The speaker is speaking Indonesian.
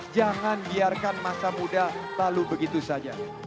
jangan biarkan masa muda lalu begitu saja